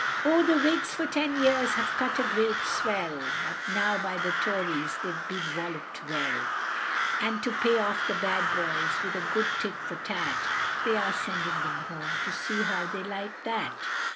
O the Whigs for ten years have cut a great swell, But now by the Tories they've been wollop'd well, And to pay off the bad boys with a good tit for tat, They are sending them home to see how they like that.